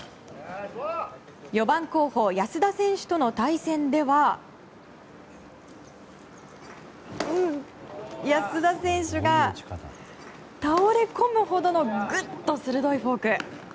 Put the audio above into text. ４番候補、安田選手との対戦では安田選手が倒れ込むほどのぐっと鋭いフォーク。